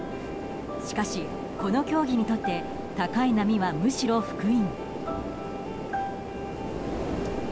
しかし、この競技にとって高い波はむしろ福音。